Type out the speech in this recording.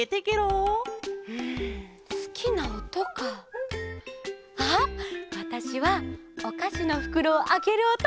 うんすきなおとか。あっわたしはおかしのふくろをあけるおと！